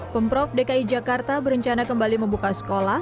pemprov dki jakarta berencana kembali membuka sekolah